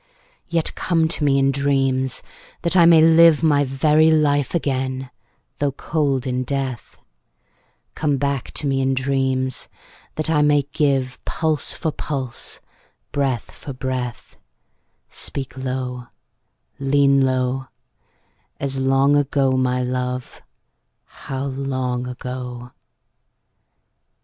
Yet come to me in dreams, that I may live My very life again though cold in death: Come back to me in dreams, that I may give Pulse for pulse, breath for breath: Speak low, lean low, As long ago, my love, how long ago!